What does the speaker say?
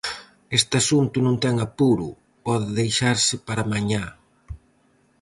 Este asunto non ten apuro, pode deixarse para mañá.